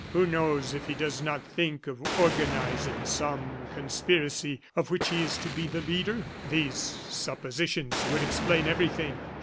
Who knows if he does not think of organizing some conspiracy, of which he is to be the leader? These suppositions would explain everything.